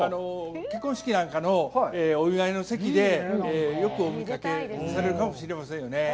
結婚式なんかのお祝いの席でよくお見かけされるかもしれませんよね。